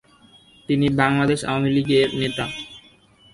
তিনি বাংলাদেশ আওয়ামী লীগ এর নেতা।